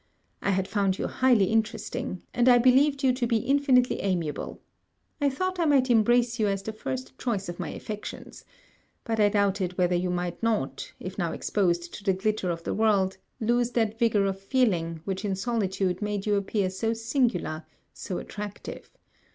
I had found you highly interesting; and I believed you to be infinitely amiable. I thought I might embrace you as the first choice of my affections; but I doubted whether you might not, if now exposed to the glitter of the world, lose that vigour of feeling which in solitude made you appear so singular, so attractive.